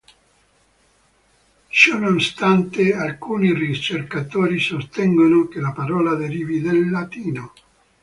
Ciononostante, alcuni ricercatori sostengono che la parola derivi dal latino.